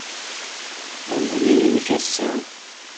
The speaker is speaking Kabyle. D amulli-nnek ass-a?